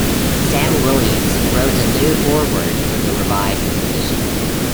Sam Williams wrote a new foreword for the revised edition.